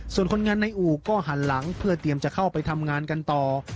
ส่วนคนงานในอู่ก็หันหลังเพื่อเตรียมจะเข้าไปทำงานกันต่อ